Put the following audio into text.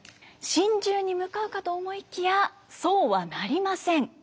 心中に向かうかと思いきやそうはなりません。